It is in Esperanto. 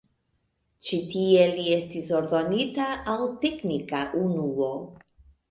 Ĉi tie li estis ordonita al teknika unuo.